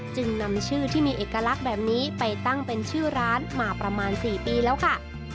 จึงนำชื่อที่มีเอกลักษณ์แบบนี้ไปตั้งเป็นชื่อร้านมาประมาณ๔ปีแล้วค่ะ